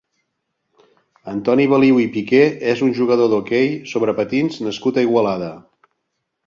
Antoni Baliu i Piqué és un jugador d'hoquei sobre patins nascut a Igualada.